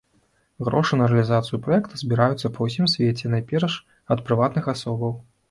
Грошы на рэалізацыю праекта збіраюцца па ўсім свеце найперш ад прыватных асобаў.